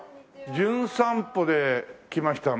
『じゅん散歩』で来ました